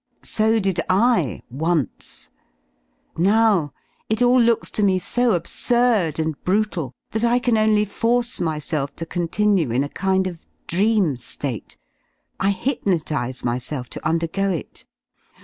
So did I — once ! Now it all looks to me so absurd and brutal that I can only force myself to continue in a kind of dream ^ate; I hypnotise myself to undergo it.